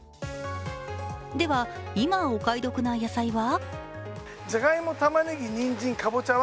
では今、お買い得な野菜は？